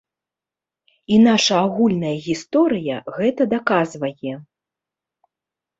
І наша агульная гісторыя гэта даказвае.